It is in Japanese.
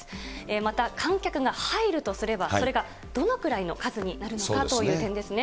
また観客が入るとすれば、それがどのくらいの数になるのかという点ですね。